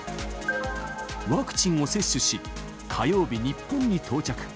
ワクチンを接種し、火曜日、日本に到着。